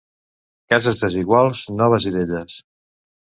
Cases desiguals, noves i velles.